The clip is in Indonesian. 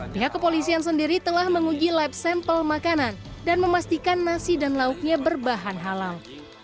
pihak kepolisian sendiri telah menguji lab sampel makanan dan memastikan nasi dan lauknya berbahan halal